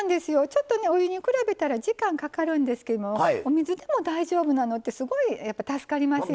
ちょっとねお湯に比べたら時間かかるんですけどもお水でも大丈夫なのってすごいやっぱ助かりますよね。